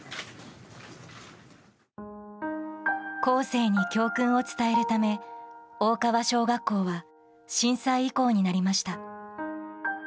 後世に教訓を伝えるため大川小学校は震災遺構になりました。